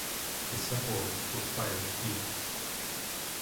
The sepoy will fire at you!